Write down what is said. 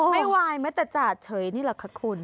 ไม่วายไหมแต่จ่าเฉยนี่แหละคะคุณ